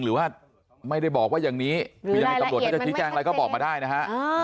หรือว่าไม่ได้บอกว่าอย่างนี้คือยังไงตำรวจเขาจะชี้แจ้งอะไรก็บอกมาได้นะฮะ